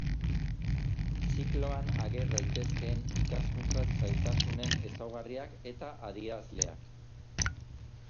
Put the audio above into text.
Zikloan ager daitezkeen ikaskuntza-zailtasunen ezaugarriak eta adierazleak.